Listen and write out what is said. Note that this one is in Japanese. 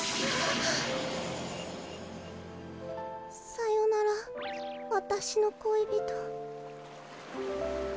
さよならわたしの恋人。